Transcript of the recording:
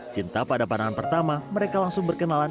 cinta pada pandangan pertama mereka langsung berkenalan